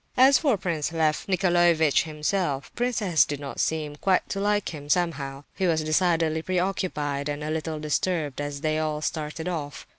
As for Prince Lef Nicolaievitch himself, Prince S. did not seem quite to like him, somehow. He was decidedly preoccupied and a little disturbed as they all started off.